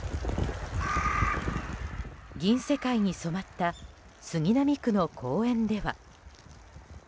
銀世界に染まった杉並区の公園では。